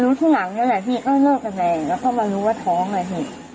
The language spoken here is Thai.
รู้ทางหลังเมื่อไหร่พี่ก็เลิกกันเลยแล้วก็มารู้ว่าท้องอ่ะพี่